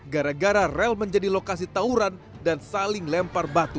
gara gara rel menjadi lokasi tauran dan saling lempar batu